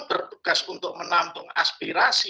bertugas untuk menantung aspirasi